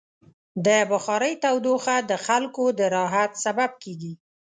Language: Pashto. د بخارۍ تودوخه د خلکو د راحت سبب کېږي.